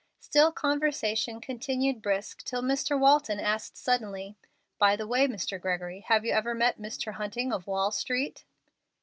Still, conversation continued brisk till Mr. Walton asked suddenly, "By the way, Mr. Gregory, have you ever met Mr. Hunting of Wall Street?"